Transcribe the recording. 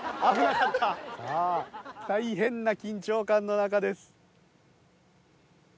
さあ大変な緊張感の中です。